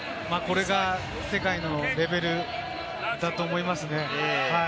これが世界のレベルだと思いますね。